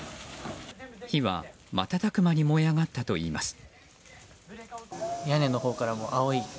火はまたたく間に燃え上がったといいます。